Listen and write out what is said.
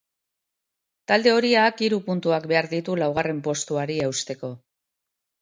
Talde horiak hiru puntuak behar ditu laugarren postuari eusteko.